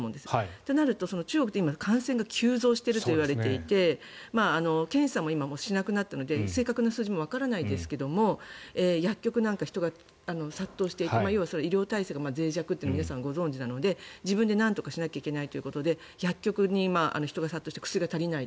となると中国って今感染が急増しているといわれていて検査も今、しなくなったので正確な数字もわからないですが薬局なんか人が殺到して医療体制がぜい弱というのは皆さんご存じなので自分でなんとかしなきゃいけないということで薬局に人が殺到して薬が足りない。